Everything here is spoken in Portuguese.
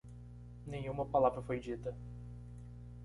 Nenhuma palavra foi dita.